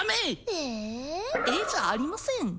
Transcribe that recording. ええじゃありません